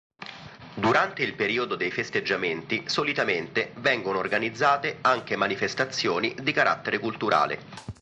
Durante il periodo dei festeggiamenti solitamente vengono organizzate anche manifestazioni di carattere culturale.